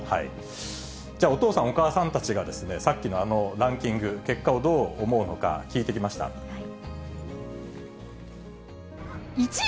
じゃあ、お父さん、お母さんたちが、さっきのあのランキング、結果をどう思うのか、聞いてきま１位？